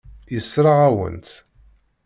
Yessṛeɣ-awen-tt.